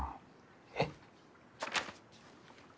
えっ？